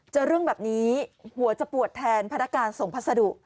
เจอเรื่องแบบนี้หัวจะปวดแทนพนักการส่งพัสดุ